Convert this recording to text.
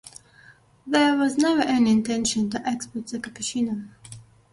There was never any intention to export the Cappuccino.